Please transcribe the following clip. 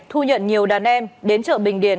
thu nhận nhiều đàn em đến chợ bình điền